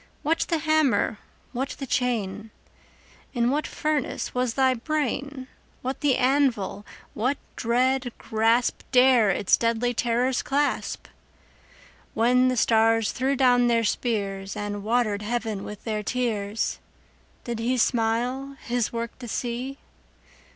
What the hammer? what the chain? In what furnace was thy brain? What the anvil? What dread grasp 15 Dare its deadly terrors clasp? When the stars threw down their spears, And water'd heaven with their tears, Did He smile His work to see?